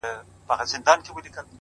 څه مسته نسه مي پـــه وجود كي ده ـ